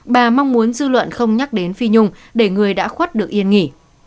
bà mong muốn dư luận không nhắc đến phi nhung để người đã khuất được yên nghỉ